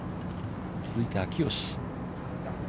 続いて秋吉。